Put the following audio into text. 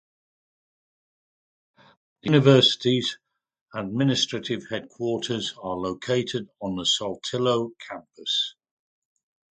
The university's administrative headquarters are located on the Saltillo campus.